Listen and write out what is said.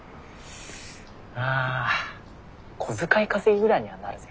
まあ小遣い稼ぎぐらいにはなるぜ。